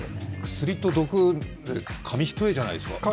薬と毒、紙一重じゃないですか？